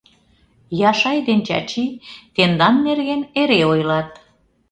Яшай ден Чачи тендан нерген эре ойлат.